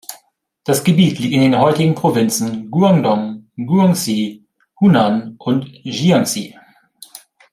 Das Gebiet liegt in den heutigen Provinzen Guangdong, Guangxi, Hunan und Jiangxi.